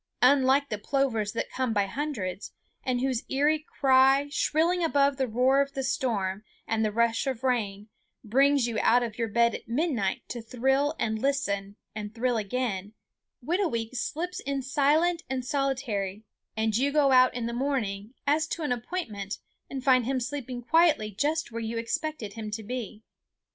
Unlike the plovers that come by hundreds, and whose eerie cry, shrilling above the roar of the storm and the rush of rain, brings you out of your bed at midnight to thrill and listen and thrill again, Whitooweek slips in silent and solitary; and you go out in the morning, as to an appointment, and find him sleeping quietly just where you expected him to be.